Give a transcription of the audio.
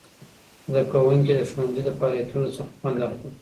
زدهکوونکي د ښوونځي د فعالیتونوڅخه خوند اخلي.